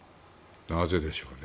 なぜでしょうね。